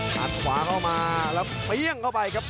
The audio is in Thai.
หันขวาเข้ามาแล้วเปรี้ยงเข้าไปครับ